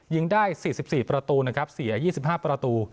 ยิงได้๔๔ประตูนะครับเสีย๒๕ประตู